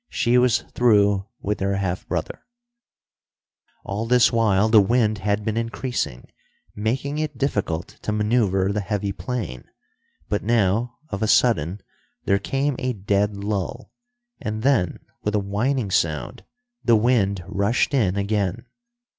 She was through with her half brother. All this while the wind had been increasing, making it difficult to maneuver the heavy plane; but now, of a sudden there came a dead lull, and then, with a whining sound, the wind rushed in again.